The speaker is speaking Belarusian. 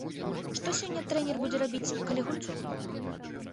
Што сёння трэнер будзе рабіць, калі гульцоў няма?